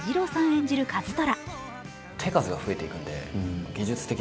演じる一虎。